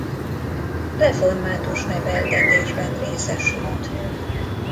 Református neveltetésben részesült.